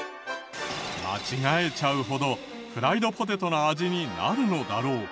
間違えちゃうほどフライドポテトの味になるのだろうか？